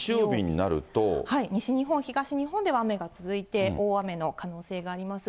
西日本、東日本では雨が続いて、大雨の可能性があります。